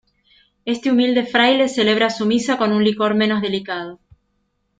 este humilde fraile celebra su misa con un licor menos delicado.